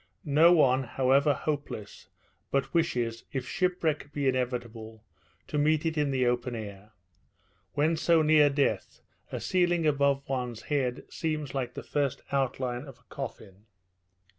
No one, however hopeless, but wishes, if shipwreck be inevitable, to meet it in the open air. When so near death, a ceiling above one's head seems like the first outline of a coffin.